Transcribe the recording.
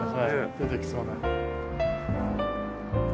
出てきそうな。